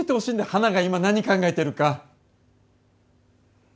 花が今、何考えてるか。